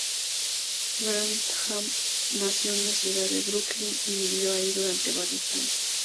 Grantham nació en la ciudad de Brooklyn y vivió ahí durante varios años.